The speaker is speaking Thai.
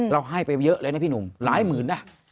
ให้ไปเยอะเลยนะพี่หนุ่มหลายหมื่นนะ